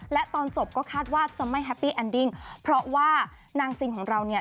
และตอนจบก็คาดว่าจะไม่แฮปปี้แอนดิ้งเพราะว่านางซินของเราเนี่ย